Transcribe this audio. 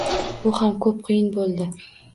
Bu ham ko‘p qiyin bo‘ldi.